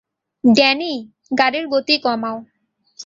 Danny, গাড়ির গতি কমাও।